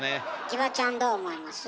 ギバちゃんどう思います？